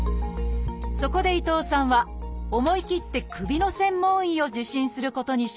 そこで伊藤さんは思い切って首の専門医を受診することにしました。